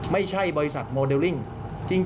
ไม่ใช่บริษัทโมเดลลิ่ง